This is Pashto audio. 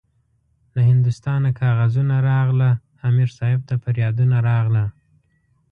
له هندوستانه کاغذونه راغله- امیر صاحب ته پریادونه راغله